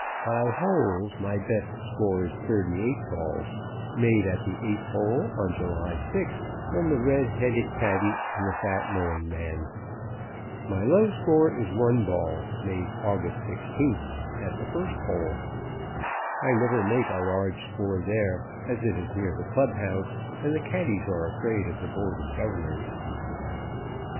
By holes, my best score is thirty eight balls, made at the eighth hole on July 6th, from the red headed caddy and the fat mowing man. My low score is one ball, made August 16th, at the first hole. I never make a large score there, as it is near the club house and the caddies are afraid of the Board of Governors.